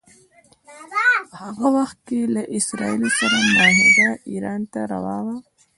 په هغه وخت کې له اسراییلو سره معاهده ایران ته روا وه.